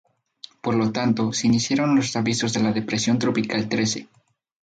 Por lo tanto, se iniciaron los avisos de la depresión tropical Trece.